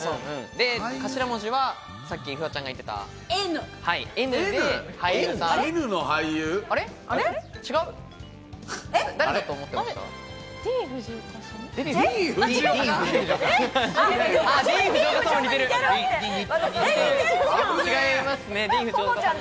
頭文字はさっきフワちゃんが言ってたＮで、俳優さん。